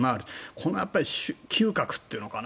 この嗅覚というのかな